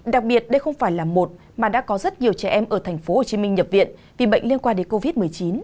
đặc biệt đây không phải là một mà đã có rất nhiều trẻ em ở tp hcm nhập viện vì bệnh liên quan đến covid một mươi chín